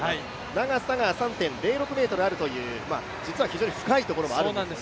長さが３．０６ｍあるという、実はすごく深いところもあるんですよね。